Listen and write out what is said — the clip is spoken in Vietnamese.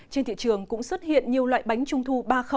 trên thị trường cũng xuất hiện nhiều loại bánh trung thu ba